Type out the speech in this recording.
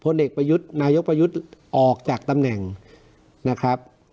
เด็กประยุทธ์นายกประยุทธ์ออกจากตำแหน่งนะครับ